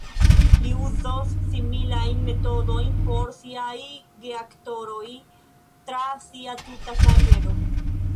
Li uzos similajn metodojn por siaj geaktoroj tra sia tuta kariero.